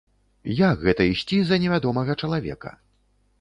Як гэта ісці за невядомага чалавека?